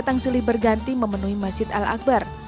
datang silih berganti memenuhi masjid al akbar